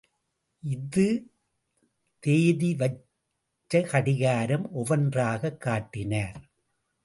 இது தேதி வச்ச கடிகாரம்! ஒவ்வொன்றாகக் காட்டினார்.